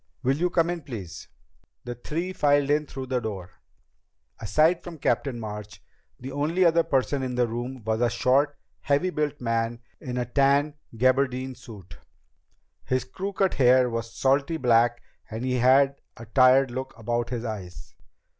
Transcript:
"Will you come in, please." The three filed in through the door. Aside from Captain March, the only other person in the room was a short, heavy built man in a tan gabardine suit. His crew cut hair was salty black and he had a tired look about his eyes.